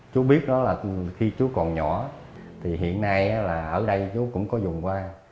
chú biết đó là khi chú còn nhỏ thì hiện nay là ở đây chú cũng có dùng hoa